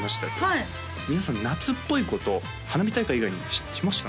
はい皆さん夏っぽいこと花火大会以外にしました？